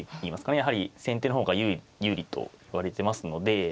やはり先手の方が有利といわれてますので。